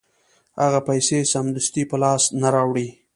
هغه پیسې سمدستي په لاس نه راوړي